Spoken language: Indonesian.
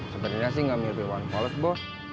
sebenernya sih enggak mirip iwan pals bos